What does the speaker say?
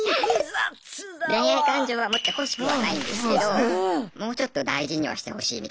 恋愛感情は持ってほしくはないんですけどもうちょっと大事にはしてほしいみたいな。